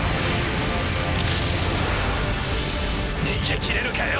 逃げきれるかよ！